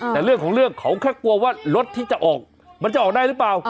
แต่เรื่องของเรื่องเขาแค่กลัวว่ารถที่จะออกมันจะออกได้หรือเปล่า